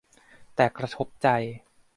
แต่กระทบใจ